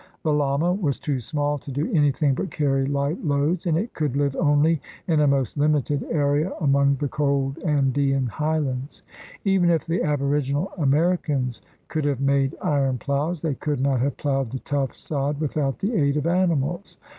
The llama was too small to do anything but carry light loads, and it could live only in a most limited area among the cold An dean highlands. Even if the aboriginal Ameri cans could have made iron ploughs, they could not have ploughed the tough sod without the aid of animals.